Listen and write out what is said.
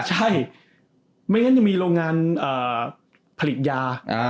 ใช่เพราะงั้นมีโรงงานผลิตยา